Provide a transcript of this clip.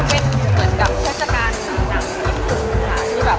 เป็นเหมือนกับเทศจากานของงานภูติ